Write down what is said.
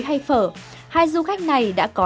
hay phở hai du khách này đã có